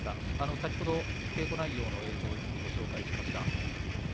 先ほどの稽古内容の映像を一部、ご紹介しました。